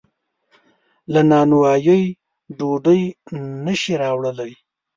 له نانوایۍ ډوډۍ نشي راوړلی.